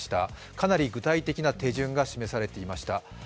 かなり具体的な手順が示されていました。